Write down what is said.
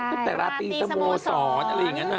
ตั้งแต่ราตรีสโมสรอะไรอย่างนั้น